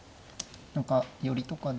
何か寄りとかで。